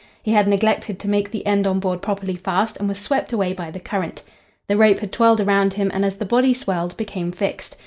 He had neglected to make the end on board properly fast and was swept away by the current. The rope had twirled round him, and as the body swelled became fixed.